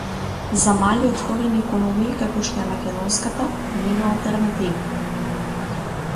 За мали отворени економии како што е македонската, нема алтернативи